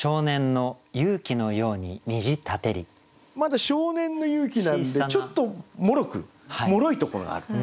まだ少年の勇気なんでちょっともろくもろいところがある。